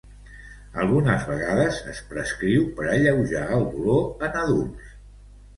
Algunes vegades es prescriu per alleujar el dolor en adults.